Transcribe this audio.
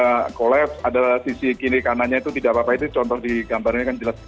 dia collapse ada sisi kiri kanannya itu tidak apa apa itu contoh di gambarnya kan jelas